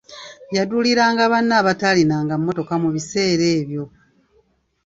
Yaduuliranga banne abatalinanga mmotoka mu biseera ebyo.